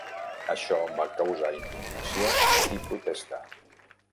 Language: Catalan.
Això va causar indignació i protesta.